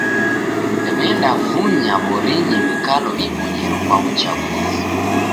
W'endafunya w'orinyi mikalo ibonyero kwa w'uchaguzi.